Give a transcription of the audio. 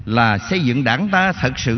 là xây dựng đảng ta thật sự